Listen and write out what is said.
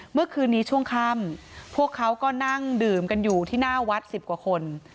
เมื่อคืนนี้ช่วงค่ำพวกเขาก็นั่งดื่มกันอยู่ที่หน้าวัด๑๐กว่าคน